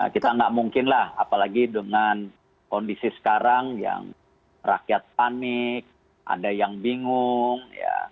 kita nggak mungkin lah apalagi dengan kondisi sekarang yang rakyat panik ada yang bingung